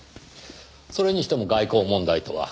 それにしても外交問題とは。